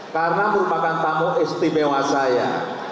karena merupakan tamu istimewa saya